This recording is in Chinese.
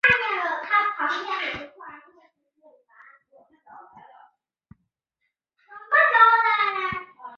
不会透漏他们的位置